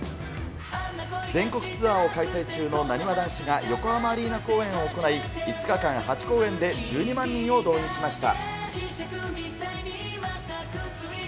全国ツアーを開催中のなにわ男子が横浜アリーナ公演を行い、５日間、８公演で１２万人を動員しました。